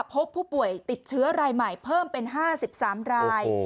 พบผู้ป่วยติดเชื้อรายใหม่เพิ่มเป็น๕๓ราย